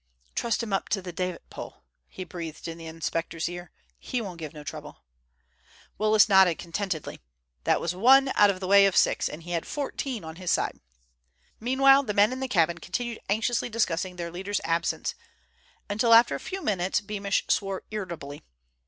"Trussed him up to the davit pole," he breathed in the inspector's ear. "He won't give no trouble." Willis nodded contentedly. That was one out of the way out of six, and he had fourteen on his side. Meanwhile the men in the cabin continued anxiously discussing their leader's absence, until after a few minutes Beamish swore irritably.